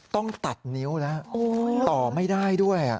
ต้องตัดนิ้วแล้วต่อไม่ได้ด้วย